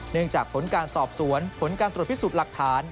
เนื่องจากผลของการสอบสวนผลของการตรวจพิสูจน์หลักฐาน